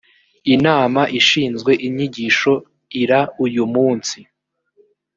inama ishinzwe inyigisho ira uyumunsi.